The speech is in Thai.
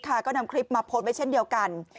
ก็นำคลิปมาโพสต์ไว้เช่นเดียวกัน